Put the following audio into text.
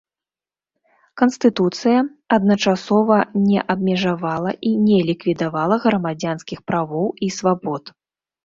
Канстытуцыя, адначасова, не абмежавала і не ліквідавала грамадзянскіх правоў і свабод.